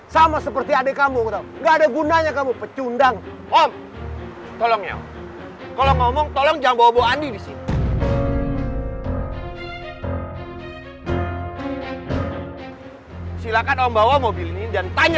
sampai jumpa di video selanjutnya